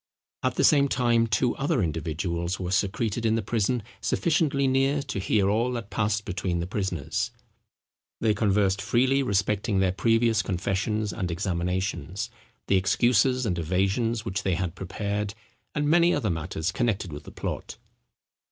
At the same time two other individuals were secreted in the prison sufficiently near to hear all that passed between the prisoners. They conversed freely respecting their previous confessions and examinations—the excuses and evasions which they had prepared, and many other matters connected with the plot.